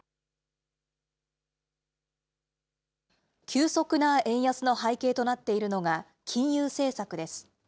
急速な円安の背景となっているのが、金融政策です。